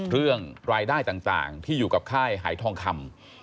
เรื่องรายได้ต่างที่อยู่กับค่ายหายทองคำ